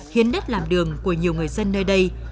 hiến đất làm đường của nhiều người dân nơi đây